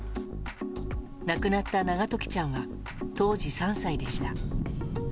亡くなった永時ちゃんは当時３歳でした。